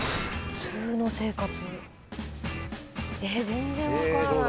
全然分からない。